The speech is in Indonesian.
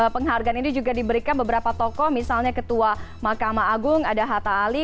penghargaan ini juga diberikan beberapa tokoh misalnya ketua mahkamah agung ada hatta ali